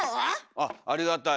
あっありがたい。